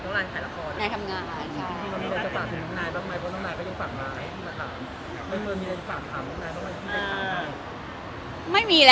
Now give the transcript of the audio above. วันนี้นั่งดูคลิปนายสัมภาษณ์ที่เขาออกมาคุยกับอันนั้นน่ะ